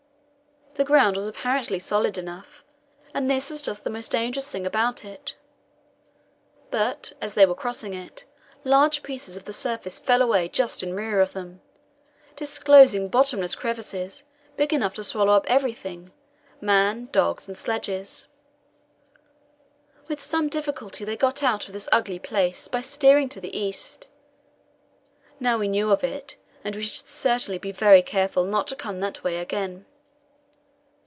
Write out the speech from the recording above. The ground was apparently solid enough, and this was just the most dangerous thing about it; but, as they were crossing it, large pieces of the surface fell away just in rear of them, disclosing bottomless crevasses, big enough to swallow up everything men, dogs, and sledges. With some difficulty they got out of this ugly place by steering to the east. Now we knew of it, and we should certainly be very careful not to come that way again.